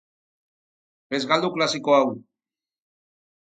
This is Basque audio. Ez galdu klasiko hau!